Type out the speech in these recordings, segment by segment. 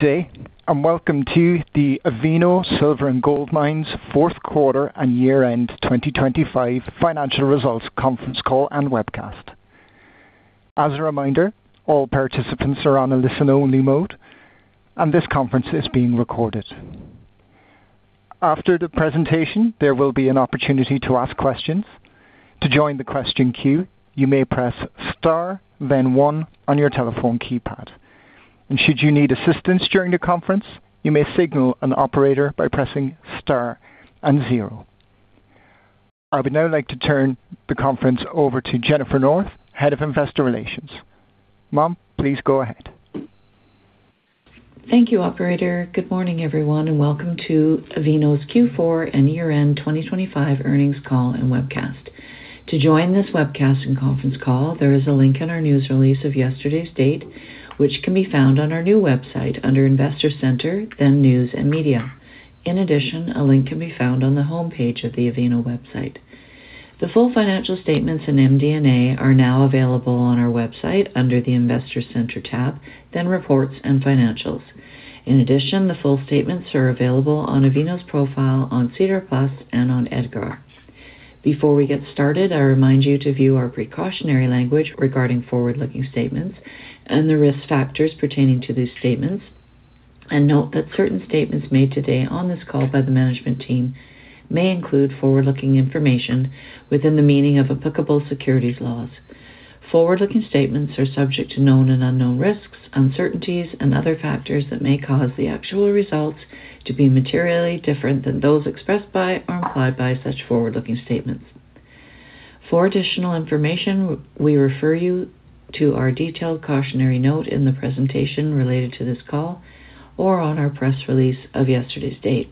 Day, and welcome to the Avino Silver & Gold Mines Q4 and year-end 2025 financial results conference call and webcast. As a reminder, all participants are on a listen-only mode, and this conference is being recorded. After the presentation, there will be an opportunity to ask questions. To join the question queue, you may press star then one on your telephone keypad. Should you need assistance during the conference, you may signal an operator by pressing star and zero. I would now like to turn the conference over to Jennifer North, Head of Investor Relations. Ma'am, please go ahead. Thank you, operator. Good morning, everyone, and welcome to Avino's Q4 and year-end 2025 earnings call and webcast. To join this webcast and conference call, there is a link in our news release of yesterday's date, which can be found on our new website under Investor Center, then News and Media. In addition, a link can be found on the homepage of the Avino website. The full financial statements in MD&A are now available on our website under the Investor Center tab, then Reports and Financials. In addition, the full statements are available on Avino's profile on SEDAR+ and on EDGAR. Before we get started, I remind you to view our precautionary language regarding forward-looking statements and the risk factors pertaining to these statements, and note that certain statements made today on this call by the management team may include forward-looking information within the meaning of applicable securities laws. Forward-looking statements are subject to known and unknown risks, uncertainties, and other factors that may cause the actual results to be materially different than those expressed by or implied by such forward-looking statements. For additional information, we refer you to our detailed cautionary note in the presentation related to this call or on our press release of yesterday's date.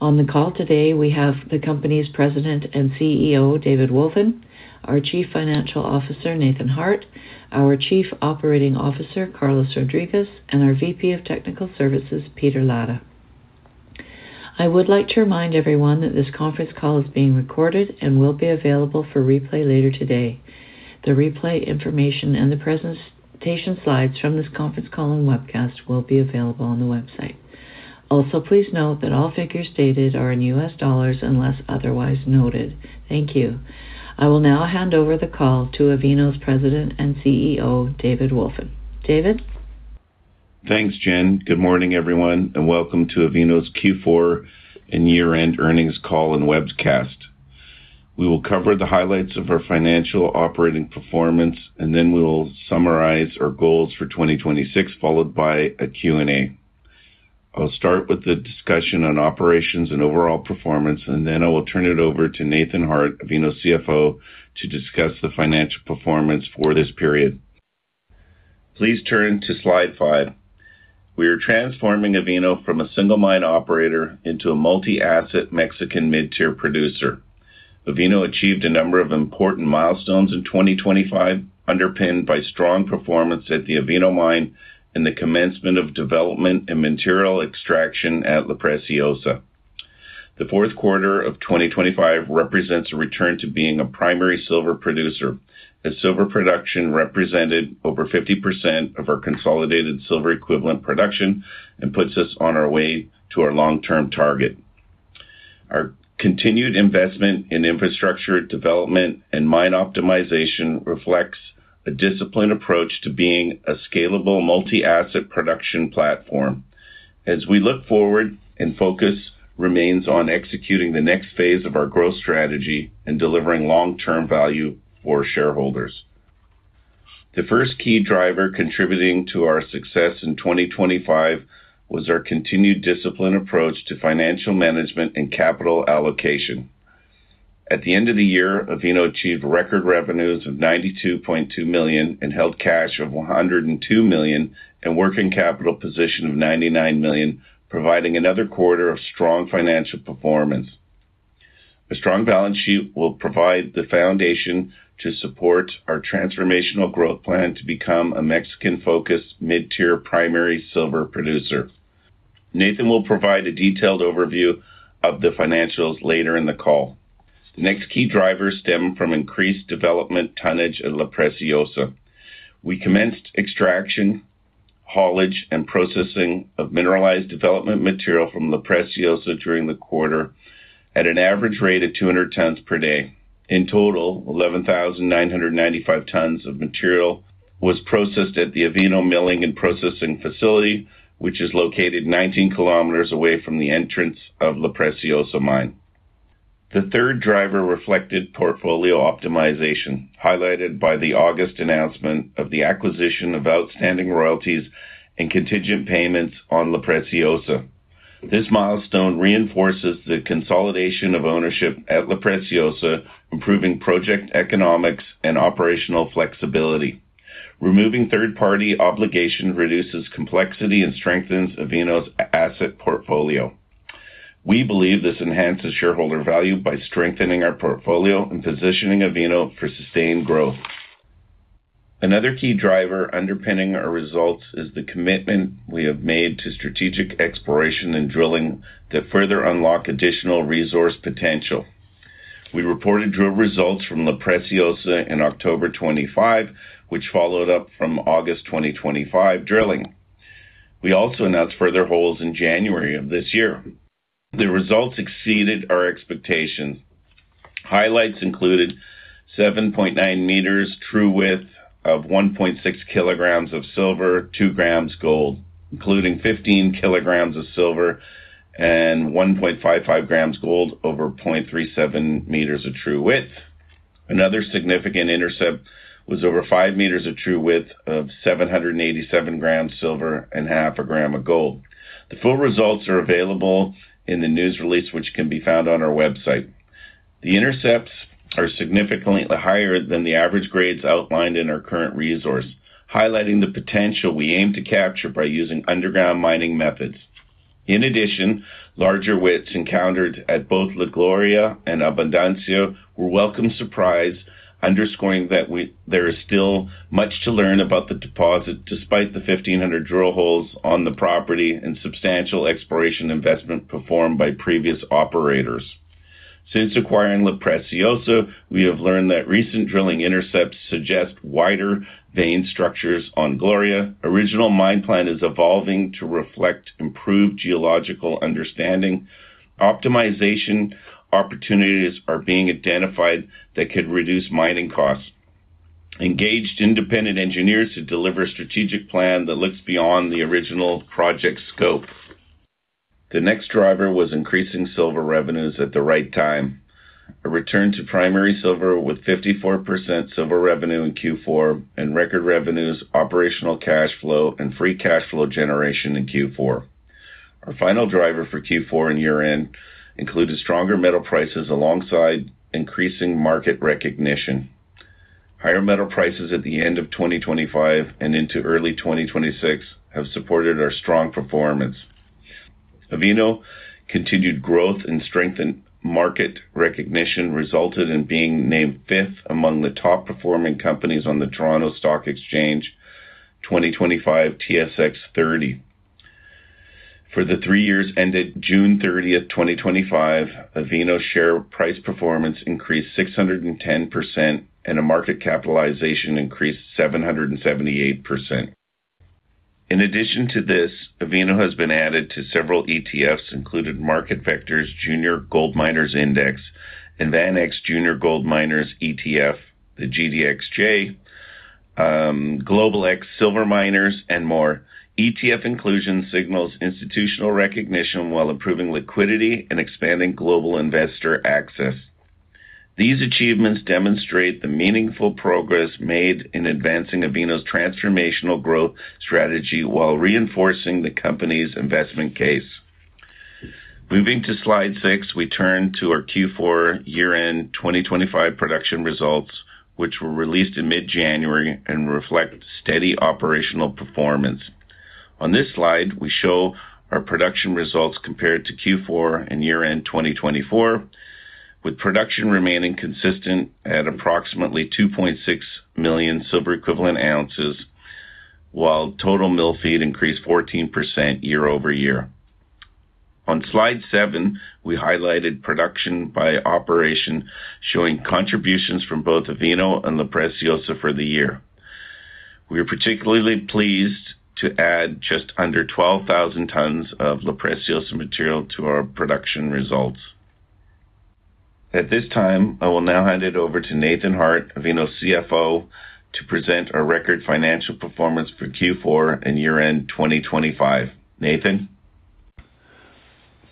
On the call today, we have the company's President and CEO, David Wolfin, our Chief Financial Officer, Nathan Harte, our Chief Operating Officer, Carlos Rodriguez, and our VP of Technical Services, Peter Latta. I would like to remind everyone that this conference call is being recorded and will be available for replay later today. The replay information and the presentation slides from this conference call and webcast will be available on the website. Also, please note that all figures stated are in U.S. dollars unless otherwise noted. Thank you. I will now hand over the call to Avino's President and CEO, David Wolfin. David? Thanks, Jen. Good morning, everyone, and welcome to Avino's Q4 and year-end earnings call and webcast. We will cover the highlights of our financial operating performance, and then we will summarize our goals for 2026, followed by a Q&A. I'll start with the discussion on operations and overall performance, and then I will turn it over to Nathan Harte, Avino CFO, to discuss the financial performance for this period. Please turn to slide five. We are transforming Avino from a single mine operator into a multi-asset Mexican mid-tier producer. Avino achieved a number of important milestones in 2025, underpinned by strong performance at the Avino Mine and the commencement of development and material extraction at La Preciosa. The Q4 of 2025 represents a return to being a primary silver producer, as silver production represented over 50% of our consolidated silver equivalent production and puts us on our way to our long-term target. Our continued investment in infrastructure development and mine optimization reflects a disciplined approach to being a scalable multi-asset production platform. As we look forward and focus remains on executing the next phase of our growth strategy and delivering long-term value for shareholders. The first key driver contributing to our success in 2025 was our continued disciplined approach to financial management and capital allocation. At the end of the year, Avino achieved record revenues of $92.2 million and held cash of $102 million and working capital position of $99 million, providing another quarter of strong financial performance. A strong balance sheet will provide the foundation to support our transformational growth plan to become a Mexican-focused mid-tier primary silver producer. Nathan will provide a detailed overview of the financials later in the call. The next key drivers stem from increased development tonnage at La Preciosa. We commenced extraction, haulage, and processing of mineralized development material from La Preciosa during the quarter at an average rate of 200 tons per day. In total, 11,995 tons of material was processed at the Avino Milling and Processing Facility, which is located 19 km away from the entrance of La Preciosa Mine. The third driver reflected portfolio optimization, highlighted by the August announcement of the acquisition of outstanding royalties and contingent payments on La Preciosa. This milestone reinforces the consolidation of ownership at La Preciosa, improving project economics and operational flexibility. Removing third-party obligation reduces complexity and strengthens Avino's asset portfolio. We believe this enhances shareholder value by strengthening our portfolio and positioning Avino for sustained growth. Another key driver underpinning our results is the commitment we have made to strategic exploration and drilling to further unlock additional resource potential. We reported drill results from La Preciosa in October 2025, which followed up from August 2025 drilling. We also announced further holes in January of this year. The results exceeded our expectations. Highlights included 7.9 m true width of 1.6 kg of silver, 2 g gold, including 15 kg of silver and 1.55 g gold over 0.37 m of true width. Another significant intercept was over 5 m of true width of 787 g silver and 0.5 g of gold. The full results are available in the news release, which can be found on our website. The intercepts are significantly higher than the average grades outlined in our current resource, highlighting the potential we aim to capture by using underground mining methods. In addition, larger widths encountered at both La Gloria and Abundancia were a welcome surprise, underscoring that there is still much to learn about the deposit despite the 1,500 drill holes on the property and substantial exploration investment performed by previous operators. Since acquiring La Preciosa, we have learned that recent drilling intercepts suggest wider vein structures on Gloria. Original mine plan is evolving to reflect improved geological understanding. Optimization opportunities are being identified that could reduce mining costs. Engaged independent engineers to deliver a strategic plan that looks beyond the original project scope. The next driver was increasing silver revenues at the right time. A return to primary silver with 54% silver revenue in Q4 and record revenues, operational cash flow and free cash flow generation in Q4. Our final driver for Q4 and year-end included stronger metal prices alongside increasing market recognition. Higher metal prices at the end of 2025 and into early 2026 have supported our strong performance. Avino continued growth and strengthened market recognition resulted in being named fifth among the top performing companies on the Toronto Stock Exchange 2025 TSX30. For the three years ended 13 June 2025, Avino share price performance increased 610% and a market capitalization increased 778%. In addition to this, Avino has been added to several ETFs, including MarketVector's Junior Gold Miners Index and VanEck's Junior Gold Miners ETF, the GDXJ, Global X Silver Miners, and more. ETF inclusion signals institutional recognition while improving liquidity and expanding global investor access. These achievements demonstrate the meaningful progress made in advancing Avino's transformational growth strategy while reinforcing the company's investment case. Moving to slide six, we turn to our Q4 year-end 2025 production results, which were released in mid-January and reflect steady operational performance. On this slide, we show our production results compared to Q4 and year-end 2024, with production remaining consistent at approximately 2.6 million silver equivalent ounces, while total mill feed increased 14% year-over-year. On slide seven, we highlighted production by operation, showing contributions from both Avino and La Preciosa for the year. We are particularly pleased to add just under 12,000 tons of La Preciosa material to our production results. At this time, I will now hand it over to Nathan Harte, Avino's CFO, to present our record financial performance for Q4 and year-end 2025. Nathan?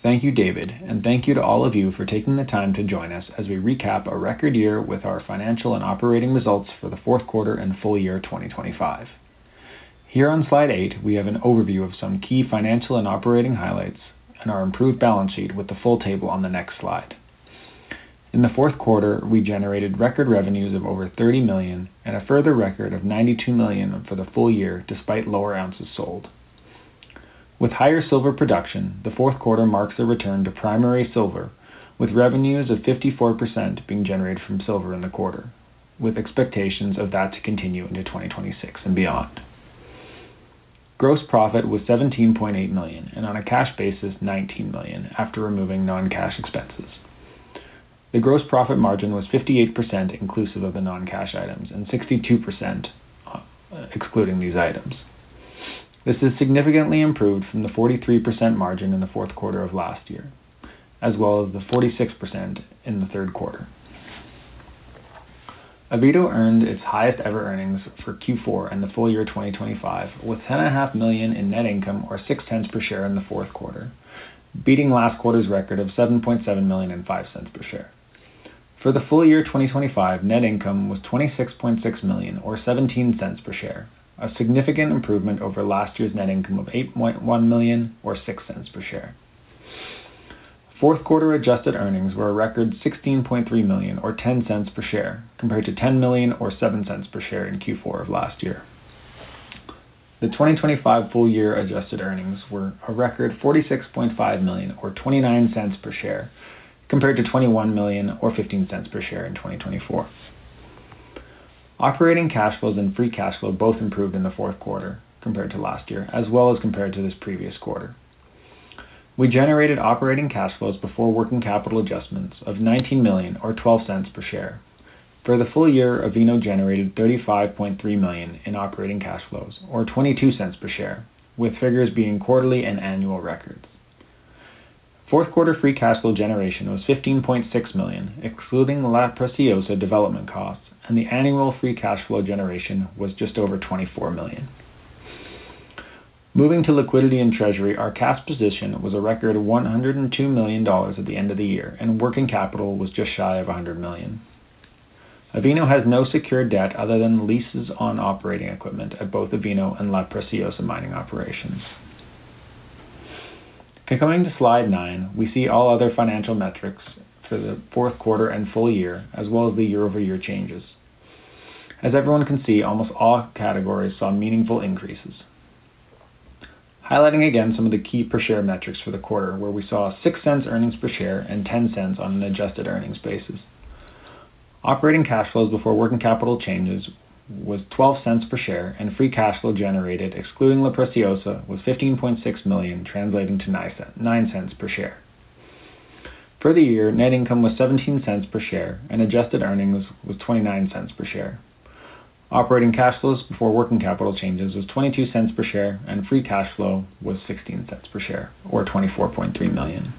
Thank you, David, and thank you to all of you for taking the time to join us as we recap a record year with our financial and operating results for the Q4 and full year 2025. Here on slide eight, we have an overview of some key financial and operating highlights and our improved balance sheet with the full table on the next slide. In the Q4, we generated record revenues of over $30 million and a further record of $92 million for the full year, despite lower ounces sold. With higher silver production, the Q4 marks a return to primary silver, with revenues of 54% being generated from silver in the quarter, with expectations of that to continue into 2026 and beyond. Gross profit was $17.8 million and on a cash basis, $19 million after removing non-cash expenses. The gross profit margin was 58% inclusive of the non-cash items and 62% excluding these items. This is significantly improved from the 43% margin in the Q4 of last year, as well as the 46% in the Q3. Avino earned its highest ever earnings for Q4 and the full year 2025, with $10.5 million in net income or $0.06 per share in the Q4, beating last quarter's record of $7.7 million and $0.05 per share. For the full year 2025, net income was $26.6 million or $0.17 per share, a significant improvement over last year's net income of $8.1 million or $0.06 per share. Q4 adjusted earnings were a record $16.3 million or $0.10 per share, compared to $10 million or $0.07 per share in Q4 of last year. The 2025 full year adjusted earnings were a record $46.5 million or $0.29 per share, compared to $21 million or $0.15 per share in 2024. Operating cash flows and free cash flow both improved in the Q4 compared to last year, as well as compared to this previous quarter. We generated operating cash flows before working capital adjustments of $19 million or $0.12 per share. For the full year, Avino generated $35.3 million in operating cash flows, or $0.22 per share, with figures being quarterly and annual records. Q4 free cash flow generation was $15.6 million, excluding La Preciosa development costs, and the annual free cash flow generation was just over $24 million. Moving to liquidity and treasury, our cash position was a record $102 million at the end of the year, and working capital was just shy of $100 million. Avino has no secured debt other than leases on operating equipment at both Avino and La Preciosa mining opera tions. Okay, coming to slide nine, we see all other financial metrics for the Q4 and full year, as well as the year-over-year changes. As everyone can see, almost all categories saw meaningful increases. Highlighting again some of the key per share metrics for the quarter, where we saw $0.06 earnings per share and $0.10 on an adjusted earnings basis. Operating cash flows before working capital changes was $0.12 per share, and free cash flow generated, excluding La Preciosa, was $15.6 million, translating to nine cents per share. For the year, net income was $0.17 per share and adjusted earnings was $0.29 per share. Operating cash flows before working capital changes was $0.22 per share, and free cash flow was $0.16 per share or $24.3 million.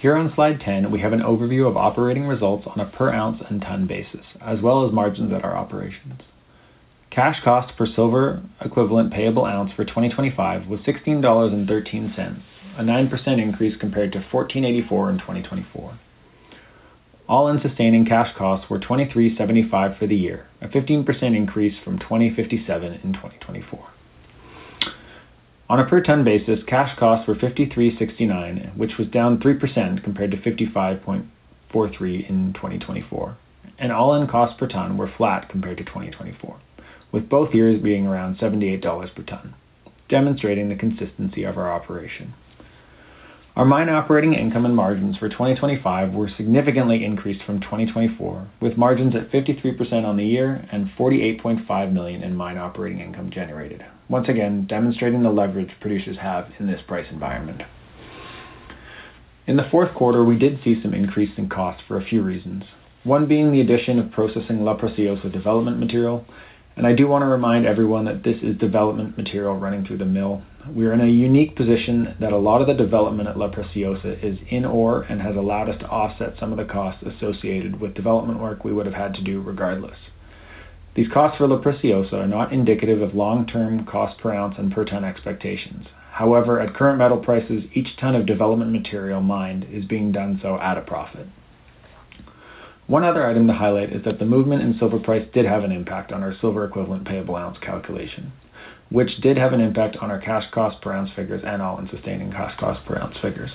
Here on slide 10, we have an overview of operating results on a per ounce and ton basis, as well as margins at our operations. Cash cost per silver equivalent payable ounce for 2025 was $16.13, a 9% increase compared to $14.84 in 2024. All-in sustaining cash costs were $23.75 for the year, a 15% increase from $20.57 in 2024. On a per ton basis, cash costs were $53.69, which was down 3% compared to $55.43 in 2024. All-in costs per ton were flat compared to 2024, with both years being around $78 per ton, demonstrating the consistency of our operation. Our mine operating income and margins for 2025 were significantly increased from 2024, with margins at 53% on the year and $48.5 million in mine operating income generated, once again demonstrating the leverage producers have in this price environment. In the Q4, we did see some increase in costs for a few reasons. One being the addition of processing La Preciosa development material. I do want to remind everyone that this is development material running through the mill. We are in a unique position that a lot of the development at La Preciosa is in ore and has allowed us to offset some of the costs associated with development work we would have had to do regardless. These costs for La Preciosa are not indicative of long-term cost per ounce and per ton expectations. However, at current metal prices, each ton of development material mined is being done so at a profit. One other item to highlight is that the movement in silver price did have an impact on our silver equivalent payable ounce calculation, which did have an impact on our cash cost per ounce figures and all-in sustaining cash cost per ounce figures.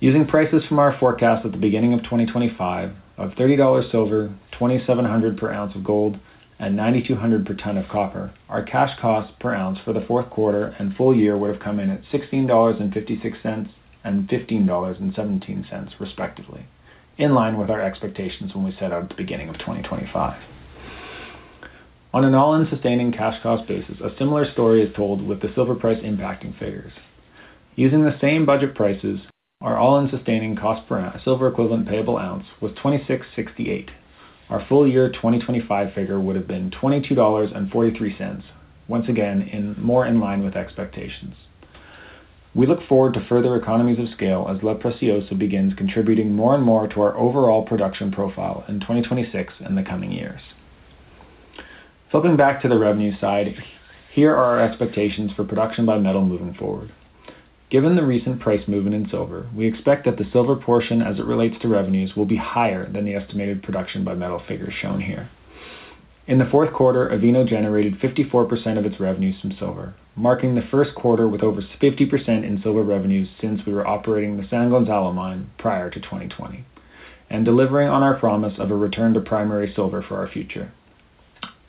Using prices from our forecast at the beginning of 2025 of $30 silver, $2,700 per ounce of gold, and $9,200 per ton of copper, our cash cost per ounce for the Q4 and full year would have come in at $16.56 and $15.17 respectively, in line with our expectations when we set out at the beginning of 2025. On an all-in sustaining cost basis, a similar story is told with the silver price impacting figures. Using the same budget prices, our all-in sustaining cost per silver equivalent payable ounce was $26.68. Our full year 2025 figure would have been $22.43, once again more in line with expectations. We look forward to further economies of scale as La Preciosa begins contributing more and more to our overall production profile in 2026 and the coming years. Flipping back to the revenue side, here are our expectations for production by metal moving forward. Given the recent price movement in silver, we expect that the silver portion as it relates to revenues will be higher than the estimated production by metal figures shown here. In the Q4, Avino generated 54% of its revenues from silver, marking the Q1 with over 50% in silver revenues since we were operating the San Gonzalo mine prior to 2020 and delivering on our promise of a return to primary silver for our future.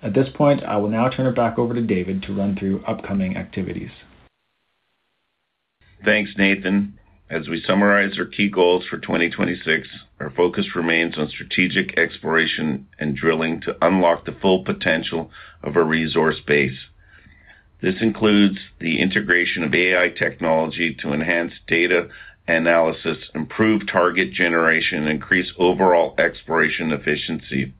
At this point, I will now turn it back over to David to run through upcoming activities. Thanks, Nathan. As we summarize our key goals for 2026, our focus remains on strategic exploration and drilling to unlock the full potential of our resource base. This includes the integration of AI technology to enhance data analysis, improve target generation, increase overall exploration efficiency.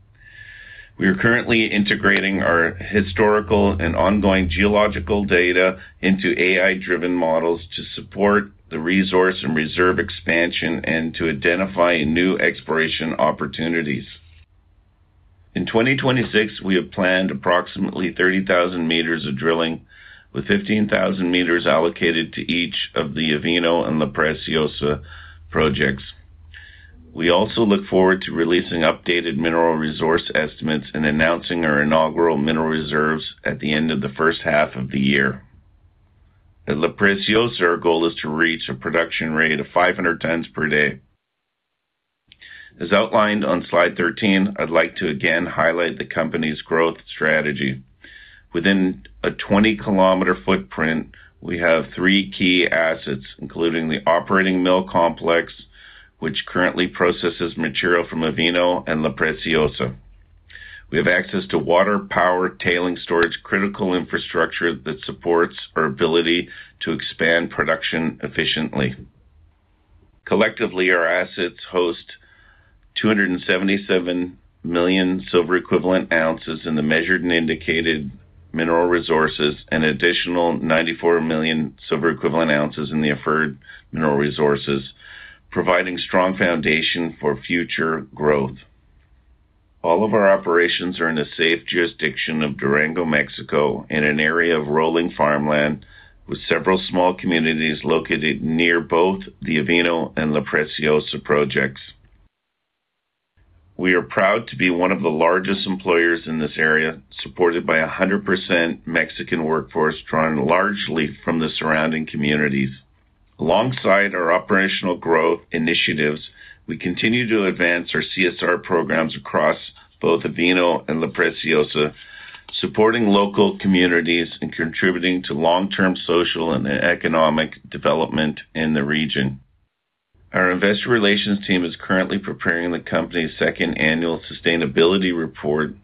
We are currently integrating our historical and ongoing geological data into AI-driven models to support the resource and reserve expansion and to identify new exploration opportunities. In 2026, we have planned approximately 30,000 m of drilling with 15,000 m allocated to each of the Avino and La Preciosa projects. We also look forward to releasing updated mineral resource estimates and announcing our inaugural mineral reserves at the end of the first half of the year. At La Preciosa, our goal is to reach a production rate of 500 tons per day. As outlined on slide 13, I'd like to again highlight the company's growth strategy. Within a 20km footprint, we have three key assets, including the operating mill complex, which currently processes material from Avino and La Preciosa. We have access to water, power, tailing storage, critical infrastructure that supports our ability to expand production efficiently. Collectively, our assets host 277 million silver equivalent ounces in the measured and indicated mineral resources, and additional 94 million silver equivalent ounces in the inferred mineral resources, providing strong foundation for future growth. All of our operations are in a safe jurisdiction of Durango, Mexico, in an area of rolling farmland with several small communities located near both the Avino and La Preciosa projects. We are proud to be one of the largest employers in this area, supported by a 100% Mexican workforce, drawn largely from the surrounding communities. Alongside our operational growth initiatives, we continue to advance our CSR programs across both Avino and La Preciosa, supporting local communities and contributing to long-term social and economic development in the region. Our investor relations team is currently preparing the company's second annual sustainability report,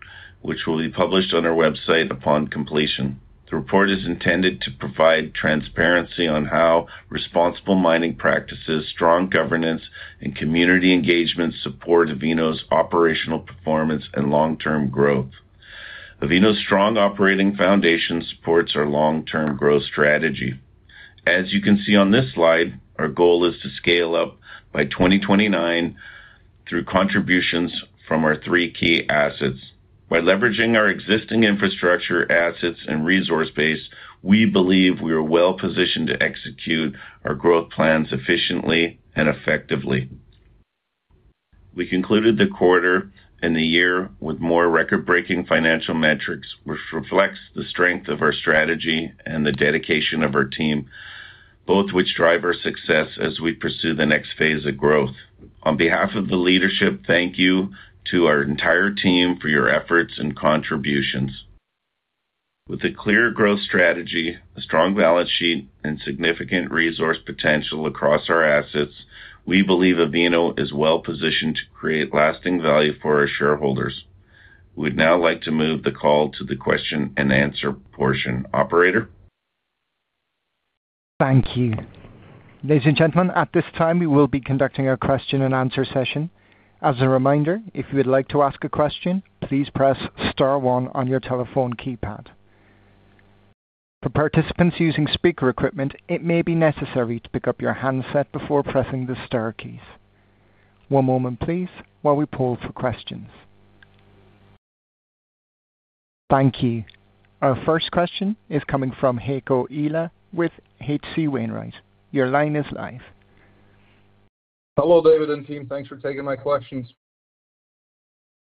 which will be published on our website upon completion. The report is intended to provide transparency on how responsible mining practices, strong governance, and community engagement support Avino's operational performance and long-term growth. Avino's strong operating foundation supports our long-term growth strategy. As you can see on this slide, our goal is to scale up by 2029 through contributions from our three key assets. By leveraging our existing infrastructure assets and resource base, we believe we are well-positioned to execute our growth plans efficiently and effectively. We concluded the quarter and the year with more record-breaking financial metrics, which reflects the strength of our strategy and the dedication of our team, both which drive our success as we pursue the next phase of growth. On behalf of the leadership, thank you to our entire team for your efforts and contributions. With a clear growth strategy, a strong balance sheet, and significant resource potential across our assets, we believe Avino is well positioned to create lasting value for our shareholders. We'd now like to move the call to the question-and-answer portion. Operator? Thank you. Ladies and gentlemen, at this time, we will be conducting our question-and-answer session. As a reminder, if you would like to ask a question, please press star one on your telephone keypad. For participants using speaker equipment, it may be necessary to pick up your handset before pressing the star keys. One moment please while we poll for questions. Thank you. Our first question is coming from Heiko Ihle with H.C. Wainwright. Your line is live. Hello, David and team. Thanks for taking my questions.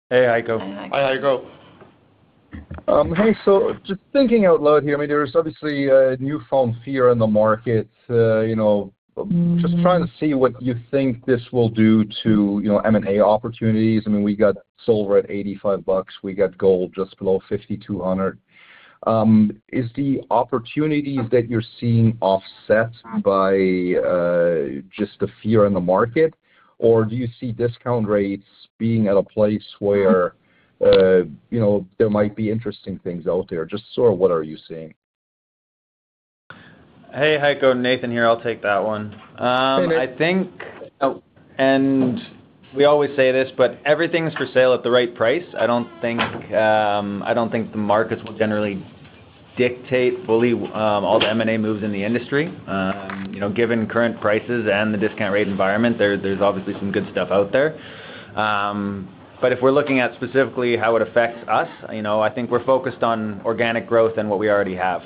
Hey, Heiko. Hi, Heiko. Hi. Just thinking out loud here, I mean, there is obviously a newfound fear in the market. You know, just trying to see what you think this will do to, you know, M&A opportunities. I mean, we got silver at $85 we got gold just below $5,200. Is the opportunities that you're seeing offset by just the fear in the market? Or do you see discount rates being at a place where, you know, there might be interesting things out there? Just sort of what are you seeing? Hey, Heiko. Nathan here. I'll take that one. Hey, Nathan. I think we always say this, but everything's for sale at the right price. I don't think the markets will generally dictate fully all the M&A moves in the industry. You know, given current prices and the discount rate environment, there's obviously some good stuff out there. If we're looking at specifically how it affects us, you know, I think we're focused on organic growth and what we already have.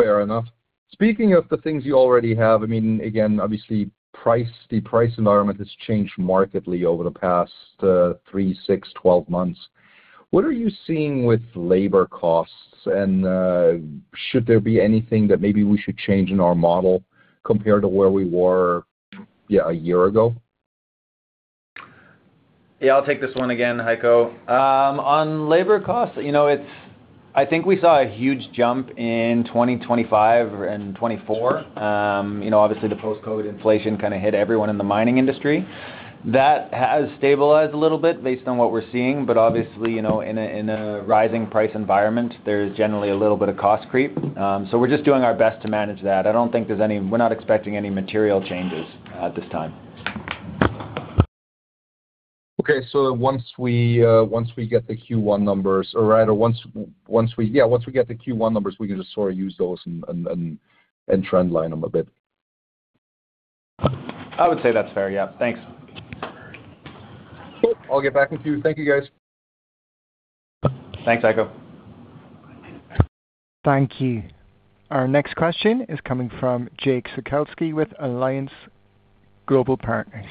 Fair enough. Speaking of the things you already have, I mean, again, obviously price, the price environment has changed markedly over the past three, six, 12 months. What are you seeing with labor costs? And should there be anything that maybe we should change in our model compared to where we were, yeah, a year ago? Yeah, I'll take this one again, Heiko. On labor costs, you know, it's. I think we saw a huge jump in 2025 and 2024. You know, obviously the post-COVID inflation kinda hit everyone in the mining industry. That has stabilized a little bit based on what we're seeing but obviously, you know, in a rising price environment, there's generally a little bit of cost creep. So we're just doing our best to manage that. I don't think there's any. We're not expecting any material changes at this time. Once we get the Q1 numbers, we can just sort of use those and trendline them a bit. I would say that's fair, yeah. Thanks. Cool. I'll get back with you. Thank you, guys. Thanks, Heiko. Thank you. Our next question is coming from Jake Sekelsky with Alliance Global Partners.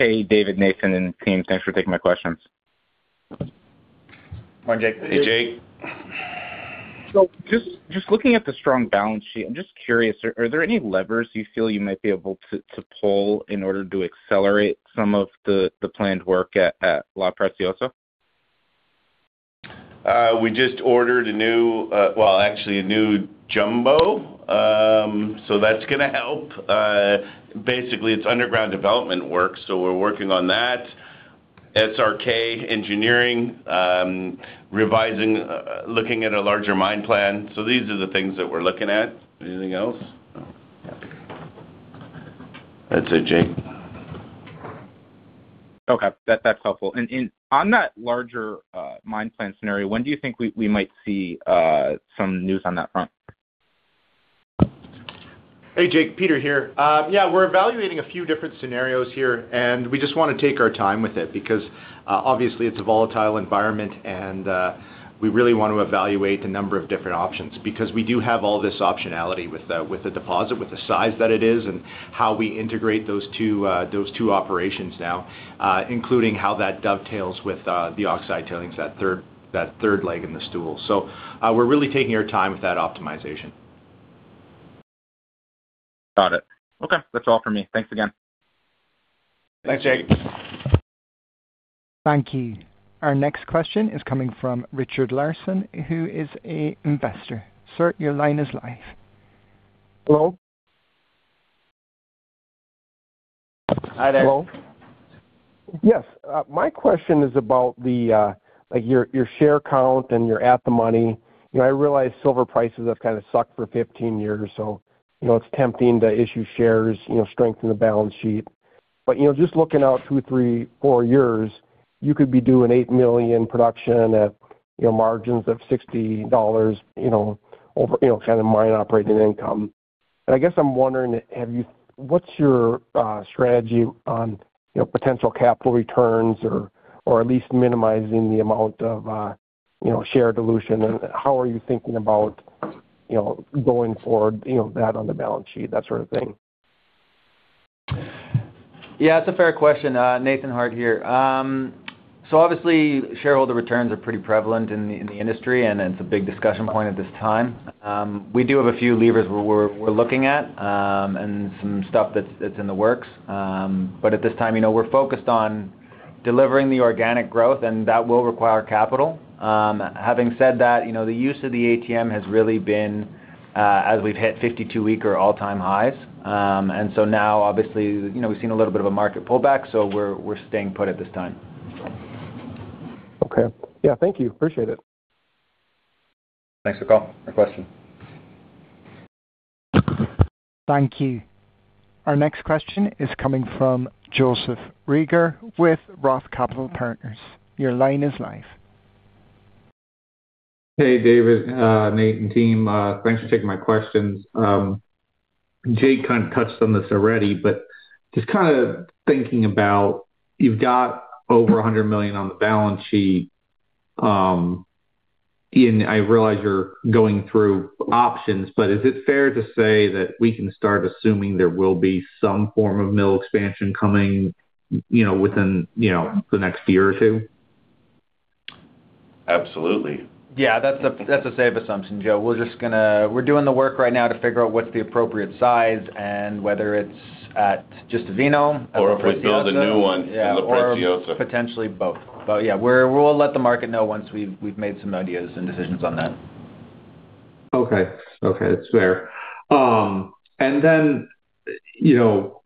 Hey, David, Nathan, and team. Thanks for taking my questions. Go on, Jake. Hey, Jake. Just looking at the strong balance sheet, I'm just curious, are there any levers you feel you might be able to pull in order to accelerate some of the planned work at La Preciosa? We just ordered a new, well, actually a new Jumbo. That's gonna help. Basically, it's underground development work, so we're working on that. SRK Consulting revising, looking at a larger mine plan. These are the things that we're looking at. Anything else? That's it, Jake. Okay. That's helpful. On that larger mine plan scenario, when do you think we might see some news on that front? Hey, Jake. Peter here. Yeah, we're evaluating a few different scenarios here, and we just wanna take our time with it because, obviously it's a volatile environment and, we really want to evaluate a number of different options because we do have all this optionality with the deposit, with the size that it is and how we integrate those two operations now, including how that dovetails with, the oxide tailings, that third leg in the stool. We're really taking our time with that optimization. Got it. Okay. That's all for me. Thanks again. Thanks, Jake. Thank you. Our next question is coming from Richard Larson, who is an investor. Sir, your line is live. Hello? Hi there. Hello? Yes. My question is about the, like your share count and your ATM. You know, I realize silver prices have kind of sucked for 15 years, so, you know, it's tempting to issue shares, you know, strengthen the balance sheet. You know, just looking out two, three, four years, you could be doing eight million production at, you know, margins of $60, you know, over, you know, kind of mine operating income. I guess I'm wondering, what's your strategy on, you know, potential capital returns or at least minimizing the amount of, you know, share dilution? How are you thinking about, you know, going forward, you know, that on the balance sheet, that sort of thing? Yeah, it's a fair question. Nathan Harte here. So obviously, shareholder returns are pretty prevalent in the industry, and it's a big discussion point at this time. We do have a few levers we're looking at, and some stuff that's in the works. At this time, you know, we're focused on delivering the organic growth, and that will require capital. Having said that, you know, the use of the ATM has really been as we've hit 52-week or all-time highs. Now obviously, you know, we've seen a little bit of a market pullback, so we're staying put at this time. Okay. Yeah. Thank you. Appreciate it. Thanks for call and question. Thank you. Our next question is coming from Joseph Reagor with Roth Capital Partners. Your line is live. Hey, David, Nathan, and team. Thanks for taking my questions. Jake kind of touched on this already, but just kind of thinking about, you've got over $100 million on the balance sheet, and I realize you're going through options, but is it fair to say that we can start assuming there will be some form of mill expansion coming, you know, within, you know, the next year or two? Absolutely. Yeah. That's a safe assumption, Joe. We're doing the work right now to figure out what's the appropriate size and whether it's at just Avino- If we build a new one. -Yeah. in La Preciosa. Potentially both. Yeah, we're, we'll let the market know once we've made some ideas and decisions on that. Okay. It's fair. You know,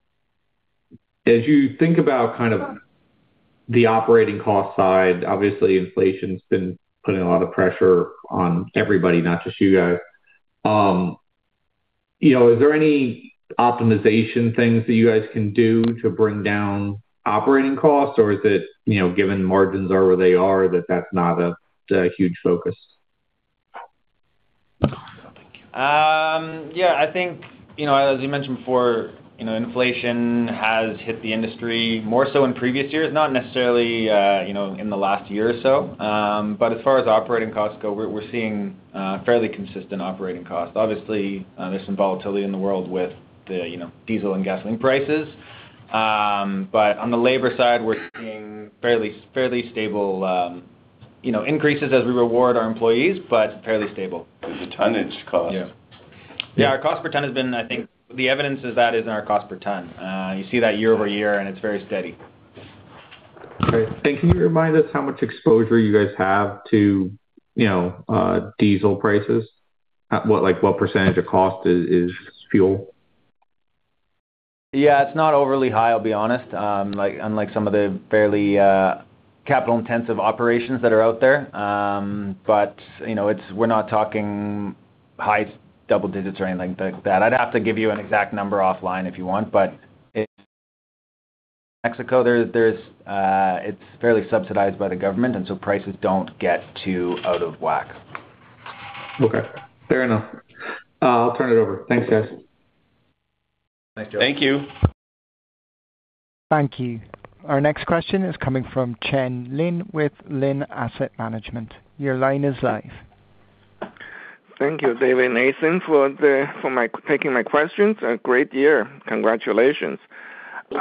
as you think about kind of the operating cost side, obviously inflation's been putting a lot of pressure on everybody, not just you guys. You know, is there any optimization things that you guys can do to bring down operating costs? Or is it, you know, given margins are where they are, that that's not a huge focus? Yeah. I think, you know, as you mentioned before, you know, inflation has hit the industry more so in previous years, not necessarily, you know, in the last year or so. As far as operating costs go, we're seeing fairly consistent operating costs obviously, there's some volatility in the world with the, you know, diesel and gasoline prices. On the labor side, we're seeing fairly stable, you know, increases as we reward our employees, but fairly stable. The tonnage cost. Yeah. Yeah, our cost per ton has been, I think, the evidence is that is in our cost per ton. You see that year-over-year, and it's very steady. Okay. Can you remind us how much exposure you guys have to, you know, diesel prices? Like, what percentage of cost is fuel? Yeah. It's not overly high, I'll be honest. Like unlike some of the fairly capital intensive operations that are out there. You know, we're not talking high double digits or anything like that. I'd have to give you an exact number offline if you want, but in Mexico, it's fairly subsidized by the government, and so prices don't get too out of whack. Okay. Fair enough. I'll turn it over. Thanks, guys. Thanks, Joe. Thank you. Thank you. Our next question is coming from Chen Lin with Lin Asset Management. Your line is live. Thank you, David and Nathan, for taking my questions. A great year. Congratulations.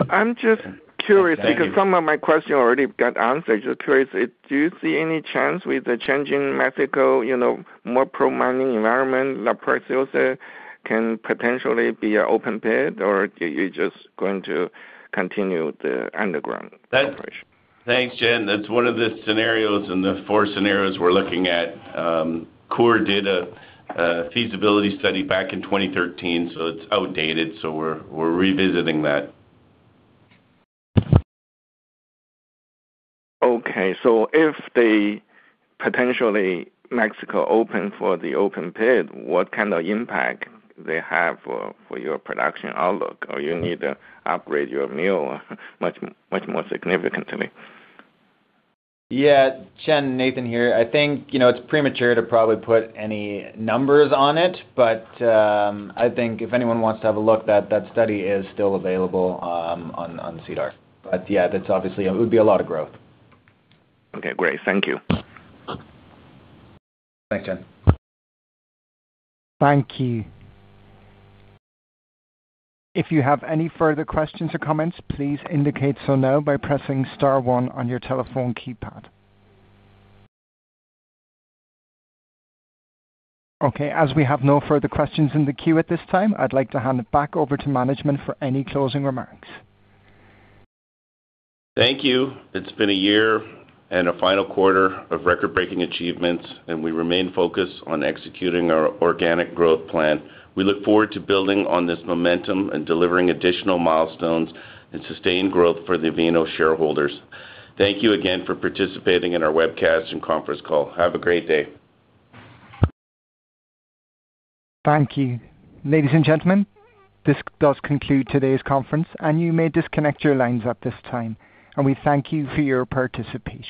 I'm just curious- Thank you. -Because so me of my question already got answered just curious if, do you see any chance with the change in Mexico, you know, more pro mining environment, La Preciosa can potentially be an open pit or you're just going to continue the underground operation? Thanks, Chen. That's one of the scenarios in the four scenarios we're looking at. Coeur did a feasibility study back in 2013, so it's outdated, so we're revisiting that. Okay. If they potentially Mexico open for the open pit, what kind of impact they have for your production outlook? Or you need to upgrade your mill much more significantly? Yeah. Chen, Nathan here. I think, you know, it's premature to probably put any numbers on it, but I think if anyone wants to have a look, that study is still available on SEDAR. Yeah, that's obviously it would be a lot of growth. Okay, great. Thank you. Thanks, Chen. Thank you. If you have any further questions or comments, please indicate so now by pressing star one on your telephone keypad. Okay, as we have no further questions in the queue at this time, I'd like to hand it back over to management for any closing remarks. Thank you. It's been a year and a final quarter of record-breaking achievements, and we remain focused on executing our organic growth plan. We look forward to building on this momentum and delivering additional milestones and sustained growth for the Avino shareholders. Thank you again for participating in our webcast and conference call. Have a great day. Thank you. Ladies and gentlemen, this does conclude today's conference, and you may disconnect your lines at this time. We thank you for your participation.